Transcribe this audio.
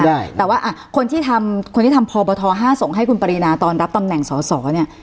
ได้แต่ว่าอ่ะคนที่ทำคนที่ทำพบทห้าส่งให้คุณปรินาตอนรับตำแหน่งสอสอเนี่ย